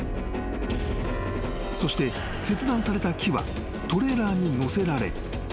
［そして切断された木はトレーラーに載せられ］